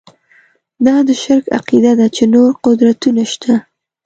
دا د شرک عقیده ده چې نور قدرتونه شته.